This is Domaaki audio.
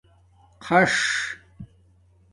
خَݽ